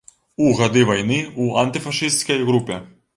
У гады вайны ў антыфашысцкай групе.